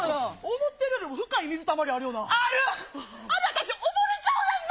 思ったより深い水たまりあるよな。